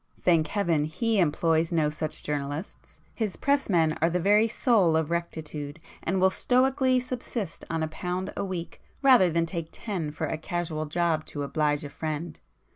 Thank Heaven, he employs no such journalists; his pressmen are the very soul of rectitude, and will stoically subsist on a pound a week rather than take ten for a casual job 'to oblige a friend.